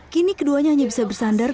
kini keduanya hanya bisa bersandar